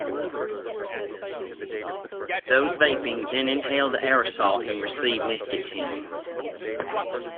Those "vaping" then inhale the aerosol and receive nicotine.